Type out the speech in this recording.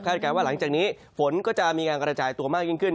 การว่าหลังจากนี้ฝนก็จะมีการกระจายตัวมากยิ่งขึ้น